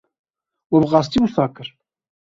We bi qesdî wisa kir?